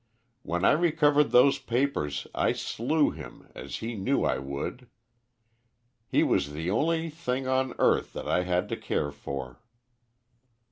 When I recovered those papers I slew him as he knew I would. He was the only thing on earth that I had to care for."